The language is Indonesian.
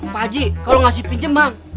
pak haji kalau ngasih pinjaman